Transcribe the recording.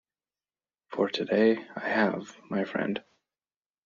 For today, I have, my friend.